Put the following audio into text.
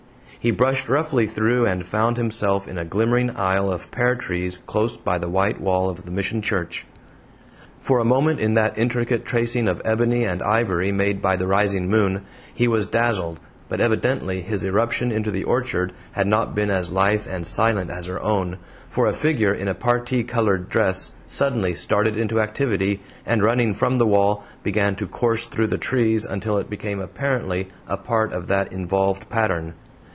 He brushed roughly through, and found himself in a glimmering aisle of pear trees close by the white wall of the Mission church. For a moment in that intricate tracing of ebony and ivory made by the rising moon, he was dazzled, but evidently his irruption into the orchard had not been as lithe and silent as her own, for a figure in a parti colored dress suddenly started into activity, and running from the wall, began to course through the trees until it became apparently a part of that involved pattern.